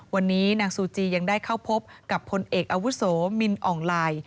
วันนี้นางซูจียังได้เข้าพบกับพลเอกอาวุโสมินอ่องลาย